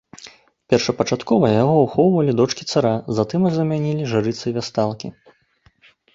Першапачаткова яго ахоўвалі дочкі цара, затым іх замянілі жрыцы-вясталкі.